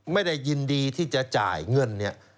ไม่ได้ยินดีที่จะจ่ายเงินเนี่ย